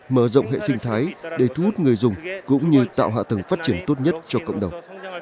mở rộng hệ sinh thái để thu hút người dùng cũng như tạo hạ tầng phát triển tốt nhất cho cộng đồng